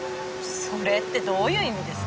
それってどういう意味ですか？